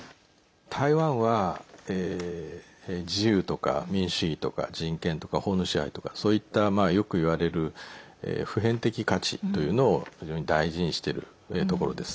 台湾は、自由とか民主主義とか人権とか法の支配とかそういった、よくいわれる普遍的価値というのを非常に大事にしているところです。